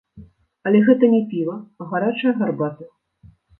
Але гэта не піва, а гарачая гарбата.